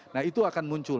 nah itu akan muncul